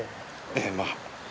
ええまあ。